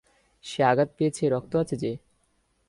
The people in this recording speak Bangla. সে আঘাত পেয়েছে, রক্ত আছে যে।